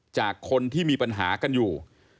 จากคนที่มีปัญหากันอยู่